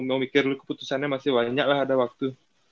mau mikir keputusannya masih banyak lah ada waktu